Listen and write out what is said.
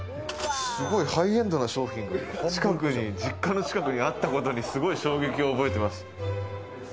すごいハイエンドな商品が実家の近くにあったことにすごい衝撃を覚えてます。